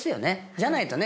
じゃないとね